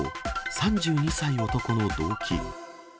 ３２歳男の動機。